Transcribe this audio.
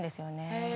へえ。